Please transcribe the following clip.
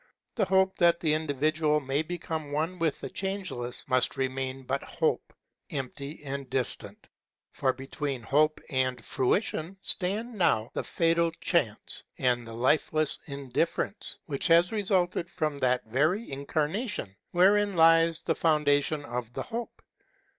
The hope that the individual may become one with the Changeless must remain but hope, empty and distant ; for between hope and fruition stand now the fatal chance and the lifeless indifference which have resulted from that very incar nation wherein lies the foundation of the hope.